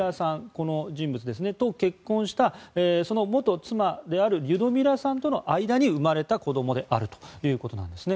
この人物と結婚したその元妻であるリュドミラさんとの間に生まれた子どもであるということです。